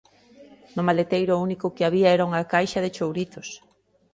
No maleteiro o único que había era unha caixa de chourizos.